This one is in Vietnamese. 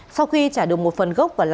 sau khi trả được một phần gốc